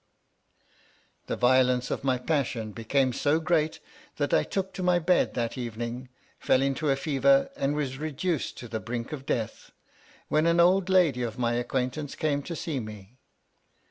The violence of my passion became so great that I took to my bed that evening, fell into a fever, and was reduced to the brink of death, when au old lady of my acquaintance came to see me.